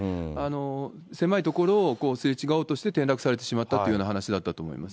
狭い所をすれ違おうとして、転落されてしまったというような話しだったと思います。